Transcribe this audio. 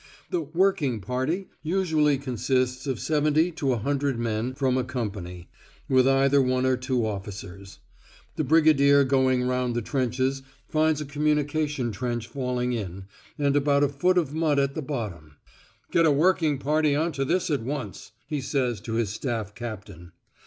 The "working party" usually consists of seventy to a hundred men from a company, with either one or two officers. The Brigadier going round the trenches finds a communication trench falling in, and about a foot of mud at the bottom. "Get a working party on to this at once," he says to his Staff Captain.